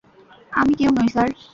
আমি কেউ নই, স্যার?